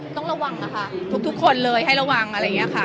ต้องระวังค่ะทุกคนเลยให้ระวังอะไรอย่างนี้ค่ะ